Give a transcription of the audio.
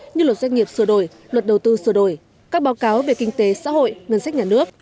như luật doanh nghiệp sửa đổi luật đầu tư sửa đổi các báo cáo về kinh tế xã hội ngân sách nhà nước